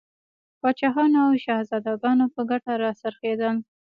پاچاهانو او شهزادګانو په ګټه را څرخېدل.